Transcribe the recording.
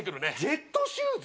ジェットシューズ！？